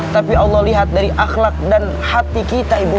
tapi allah lihat dari akhlak dan hati kita ibu